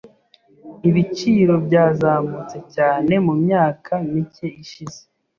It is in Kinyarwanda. Ibiciro byazamutse cyane mumyaka mike ishize.